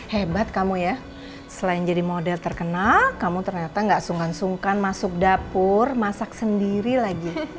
hebat kamu ya selain jadi model terkenal kamu ternyata gak sungkan sungkan masuk dapur masak sendiri lagi